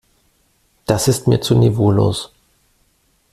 Das ist mir zu niveaulos.